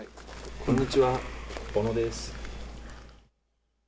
こんにちは、小野です。